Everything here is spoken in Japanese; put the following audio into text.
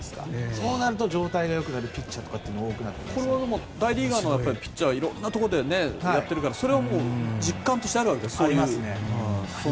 そうなると、状態が良くなるピッチャーが大リーガーのピッチャーはいろんなところでやってるから実感としてあるわけ？